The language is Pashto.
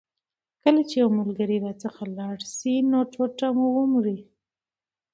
کله چي یو ملګری راڅخه لاړ سي یو ټوټه مو ومري.